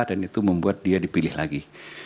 dan itu membuat dia dipilih lagi